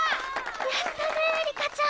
やったねえりかちゃん！